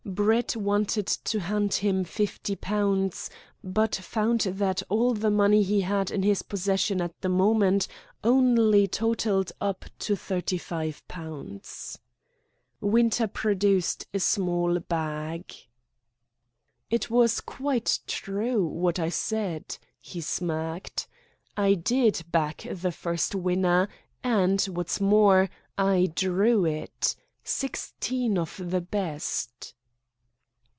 Brett wanted to hand him £50, but found that all the money he had in his possession at the moment only totalled up to £35. Winter produced a small bag. "It was quite true what I said," he smirked. "I did back the first winner, and, what's more, I drew it sixteen of the best."